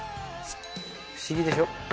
不思議でしょ？